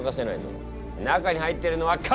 中に入ってるのは蚊だ！